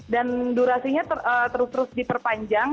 dan durasinya terus terus diperpanjang